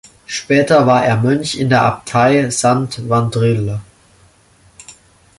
Später war er Mönch in der Abtei Saint-Wandrille.